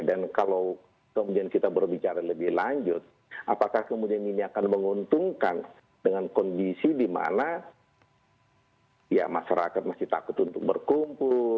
dan kalau kemudian kita berbicara lebih lanjut apakah kemudian ini akan menguntungkan dengan kondisi di mana ya masyarakat masih takut untuk berkumpul